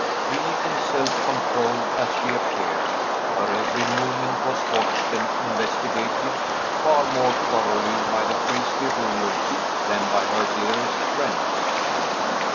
Free and self controlled as she appeared, her every movement was watched and investigated far more thoroughly by the priestly rulers than by her dearest friends.